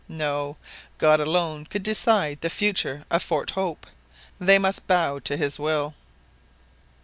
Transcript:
No; God alone could decide the future of Fort Hope. They must bow to His will.